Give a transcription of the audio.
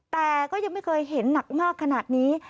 แต่ก็ยังไม่เคยเห็นหนักมากขนาดนี้